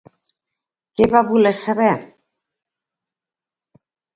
Què va voler saber?